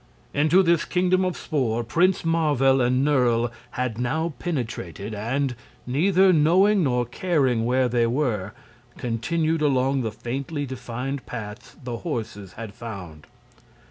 Into this Kingdom of Spor Prince Marvel and Nerle had now penetrated and, neither knowing nor caring where they were, continued along the faintly defined paths the horses had found.